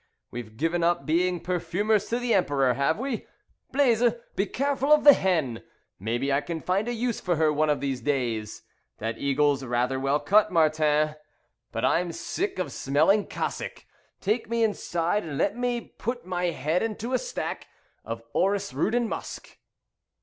We've given up being perfumers to the Emperor, have we? Blaise, Be careful of the hen, Maybe I can find a use for her one of these days. That eagle's rather well cut, Martin. But I'm sick of smelling Cossack, Take me inside and let me put my head into a stack Of orris root and musk."